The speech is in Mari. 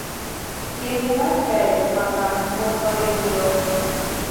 Шкендынат чай, манам, мокмырет уло?